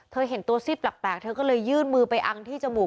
เห็นตัวซีดแปลกเธอก็เลยยื่นมือไปอังที่จมูก